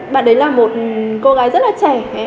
bạn ấy là một cô gái rất là trẻ